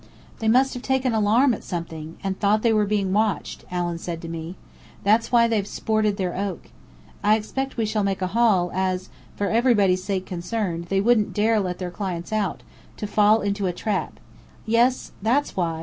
"They must have taken alarm at something, and thought they were being watched," Allen said to me. "That's why they've sported their oak. I expect we shall make a haul, as for everybody's sake concerned they wouldn't dare let their clients out, to fall into a trap. Yes, that's why!